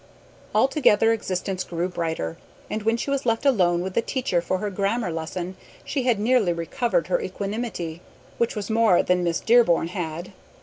Altogether existence grew brighter, and when she was left alone with the teacher for her grammar lesson she had nearly recovered her equanimity, which was more than Miss Dearborn had.